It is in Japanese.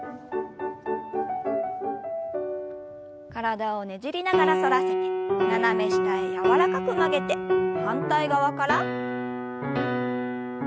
体をねじりながら反らせて斜め下へ柔らかく曲げて反対側から。